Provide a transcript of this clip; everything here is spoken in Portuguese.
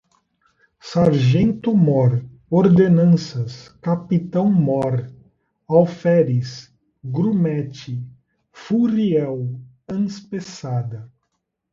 Sargento-Mor, Ordenanças, Capitão-Mor, Alferes, Grumete, Furriel, Anspeçada